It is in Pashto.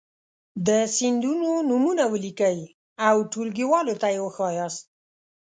د سیندونو نومونه ولیکئ او ټولګیوالو ته یې وښایاست.